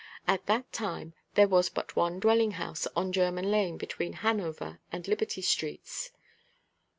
At that time there was but one dwelling house on German lane between Hanover and Liberty streets.